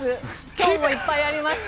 今日もいっぱいありました。